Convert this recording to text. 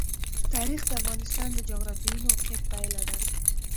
تاریخ د افغانستان د جغرافیایي موقیعت پایله ده.